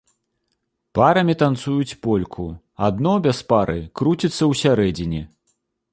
Парамі танцуюць польку, адно без пары круціцца ўсярэдзіне.